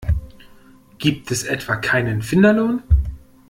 Gibt es etwa keinen Finderlohn?